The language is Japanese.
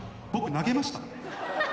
投げました。